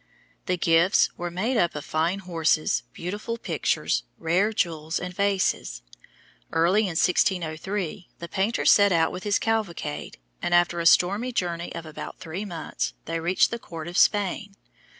The gifts were made up of fine horses, beautiful pictures, rare jewels and vases. Early in 1603, the painter set out with his cavalcade, and after a stormy journey of about three months they reached the Court of Spain.